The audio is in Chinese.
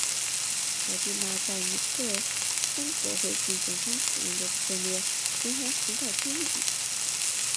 乔蒂纳在尼克松国会竞选中使用的策略仍然存在争议。